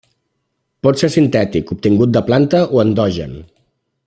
Pot ser sintètic, obtingut de planta, o endogen.